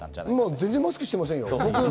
全然マスクしていませんよ。